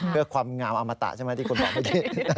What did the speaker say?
เพื่อความงามอมตะใช่ไหมที่คุณบอกเมื่อกี้